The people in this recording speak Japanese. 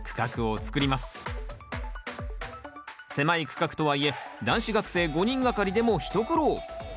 狭い区画とはいえ男子学生５人がかりでも一苦労。